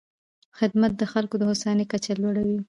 خدمت د خلکو د هوساینې کچه لوړوي.